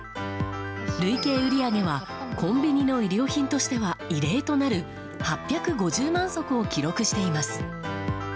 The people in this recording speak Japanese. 累計売り上げは、コンビニの衣料品としては異例となる８５０万足を記録しています。